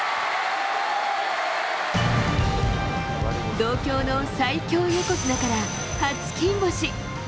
同郷の最強横綱から初金星。